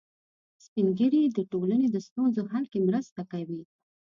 سپین ږیری د ټولنې د ستونزو حل کې مرسته کوي